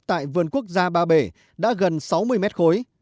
tại vườn quốc gia ba bể đã gần sáu mươi mét khối